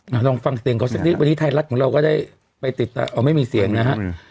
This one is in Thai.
ลองฟังเสียงเขาสักนิดวันนี้ไทยรัฐของเราก็ได้ไปติดเอาไม่มีเสียงนะฮะ